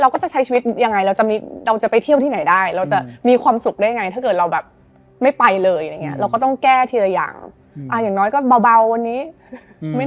กอดอยู่นี่แล้วก็อย่างนี้